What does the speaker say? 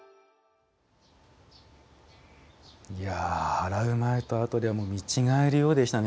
洗う前と後で見違えるようでしたね